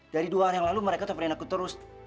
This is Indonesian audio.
dari dua hari yang lalu mereka teleponin aku terus